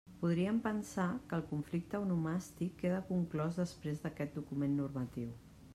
Podríem pensar que el conflicte onomàstic queda conclòs després d'aquest document normatiu.